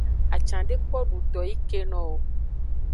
Acan de kpo duto yi keno o.